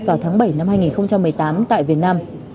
vào tháng bảy năm hai nghìn một mươi tám tại việt nam